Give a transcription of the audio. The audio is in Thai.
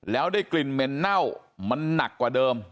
แล้วได้กลิ่นเหม็นเน่ามันหนักกว่าเดิม